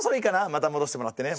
また戻してもらってね。